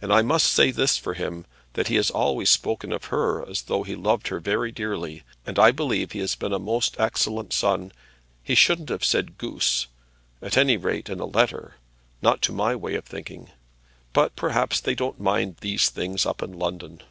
And I must say this for him, that he has always spoken of her as though he loved her very dearly; and I believe he has been a most excellent son. He shouldn't have said goose; at any rate in a letter; not to my way of thinking. But perhaps they don't mind those things up in London."